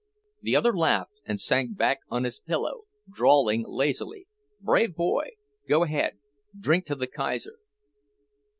The other laughed and sank back on his pillow, drawling lazily, "Brave boy! Go ahead; drink to the Kaiser."